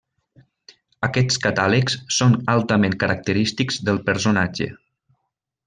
Aquests catàlegs són altament característics del personatge.